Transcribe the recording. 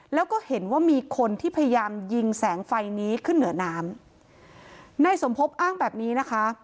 แล้วก็เห็นว่ามีคนที่พยายามยิงแสงไฟนี้ขึ้นเหนือน้ำนายสมพบอ้างแบบนี้นะคะ